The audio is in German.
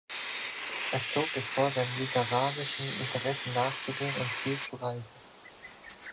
Er zog es vor, seinen literarischen Interessen nachzugehen und viel zu reisen.